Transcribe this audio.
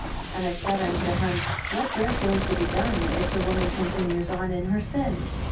6 And I said unto him, What therefore is to be done, if the woman continues on in her sin?